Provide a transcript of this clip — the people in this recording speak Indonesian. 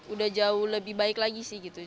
udah jauh lebih baik lagi sih gitu